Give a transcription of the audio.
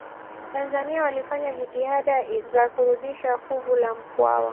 tanzania walifanya jitihada za kurudisha fuvu la mkwawa